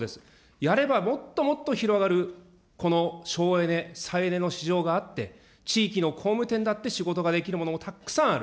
やればもっともっと広がる、この省エネ、再エネの市場があって、地域の工務店だって仕事ができるものもたっくさんある。